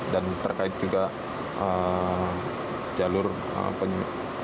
dan terkait juga jalur teknologi